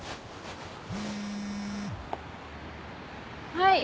はい。